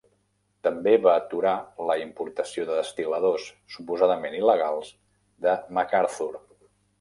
També va aturar la importació de destil·ladors, suposadament il·legals, de Macarthur.